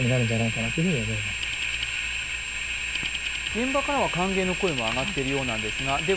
現場からは歓迎の声も上がっているようですがで